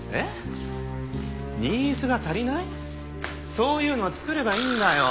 そういうのは作ればいいんだよ。